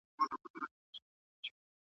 تر هغي چې په ملك كې يو كس غريب پاتي وي